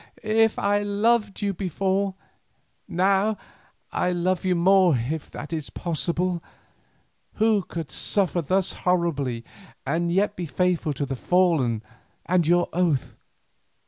if I loved you before, now I love you more if that is possible, who could suffer thus horribly and yet be faithful to the fallen and your oath.